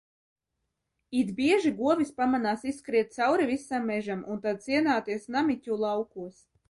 It bieži govis pamanās izskriet cauri visam mežam, un tad cienāties Namiķu laukos.